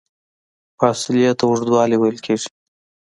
فاصلې ته اوږدوالی ویل کېږي.